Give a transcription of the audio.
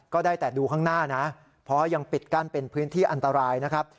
ก็ได้แต่ดูข้างหน้านะเพราะยังปิดกั้นเป็นพื้นที่อันตรายนะครับ